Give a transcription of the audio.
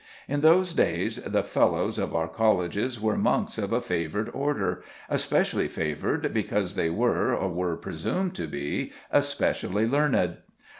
In those days the fellows of our colleges were monks of a favoured order, especially favoured because they were, or were presumed to be, especially learned.